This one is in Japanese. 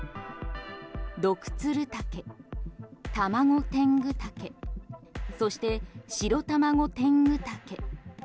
ドクツルタケ、タマゴテングタケそしてシロタマゴテングタケ。